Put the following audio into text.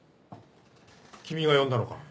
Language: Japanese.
君が呼んだのか？